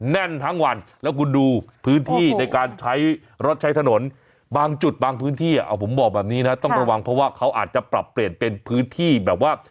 แน่นทั้งวันแล้วคุณดูพื้นที่ในการใช้รถใช้ถนนบางจุดบางพื้นที่ผมบอกแบบนี้นะต้องระวังเพราะว่าเขาอาจจะปรับเปลี่ยนเป็นพื้นที่แบบว่า